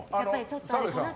澤部さん